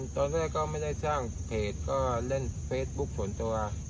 ตอนแรกก็ไม่ได้สร้างเพจก็เล่นเฟซบุ๊คส่วนตัว